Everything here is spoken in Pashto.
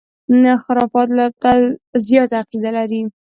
خُرافاتو ته زیاته عقیده لري.